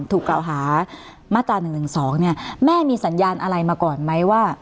ถูกกล่าวหามาตรา๑๑๒เนี่ยแม่มีสัญญาณอะไรมาก่อนไหมว่า